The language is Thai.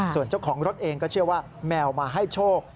ส่วนเจ้าของรถเองก็เชื่อว่าแมวมาให้โชค